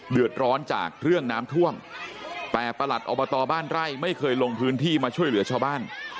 เดือดร้อนจากเรื่องน้ำท่วมแต่ประหลัดอบตบ้านไร่ไม่เคยลงพื้นที่มาช่วยเหลือชาวบ้าน